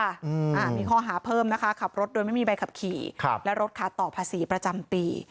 อ่ามีข้อหาเพิ่มนะคะขับรถโดยไม่มีใบขับขี่ครับและรถขาดต่อภาษีประจำปี